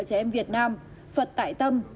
trẻ em việt nam phật tại tâm